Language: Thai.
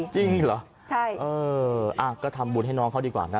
จริงเหรอใช่เออก็ทำบุญให้น้องเขาดีกว่านะ